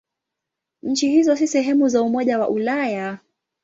Nchi hizo si sehemu za Umoja wa Ulaya.